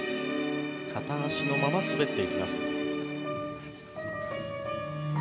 片足のまま滑っていきます。